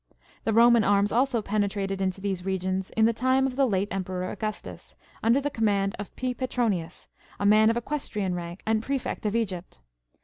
The Roman arms also penetrated into these regions in the time of the late Emperor Augustus, under the command of P. Petronius," a man of Eques trian rank, and prefect of Egypt.